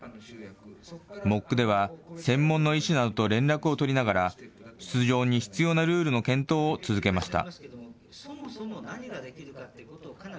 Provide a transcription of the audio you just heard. ＭＯＣでは専門の医師などと連絡を取りながら、出場に必要なルールの検討を続けました。